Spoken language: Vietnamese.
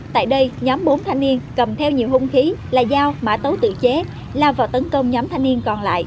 tại đây nhóm bốn thanh niên cầm theo nhiều hung khí là dao mã tấu tự chế lao vào tấn công nhóm thanh niên còn lại